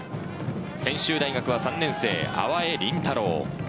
専修大学は３年生・粟江倫太郎。